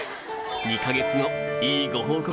２か月後いいご報告